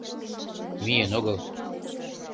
миен огыл